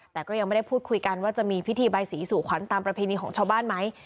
แต่ก็ยังไม่ได้พูดคุยกันว่าจะมีพิธีใบสีสู่ขวัญตามประเพณีของชาวบ้านไหม